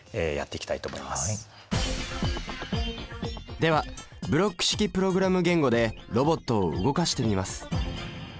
ではブロック式プログラム言語でロボットを動かしてみます。